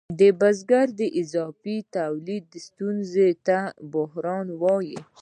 د بزګرۍ د اضافي تولید ستونزې ته بحران وايي